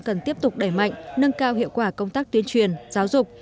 cần tiếp tục đẩy mạnh nâng cao hiệu quả công tác tuyên truyền giáo dục